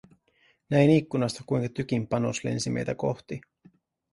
Näin ikkunasta kuinka tykin panos lensi meitä kohti.